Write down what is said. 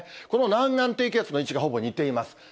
この南岸低気圧の位置がほぼ似ています。